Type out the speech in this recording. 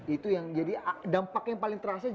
itu yang jadi dampak yang paling terasa